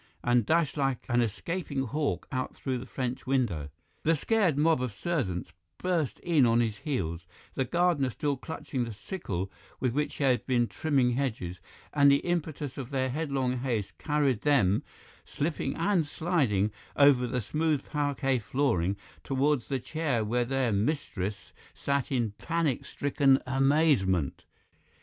and dashed like an escaping hawk out through the French window. The scared mob of servants burst in on his heels, the gardener still clutching the sickle with which he had been trimming hedges, and the impetus of their headlong haste carried them, slipping and sliding, over the smooth parquet flooring towards the chair where their mistress sat in panic stricken amazement.